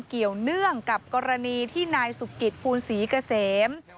เกี่ยวเนื่องกับกรณีที่นายสุกิตภูลศรีเกษม